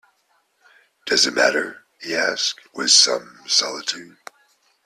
"Does it matter," he asked, with some solicitude.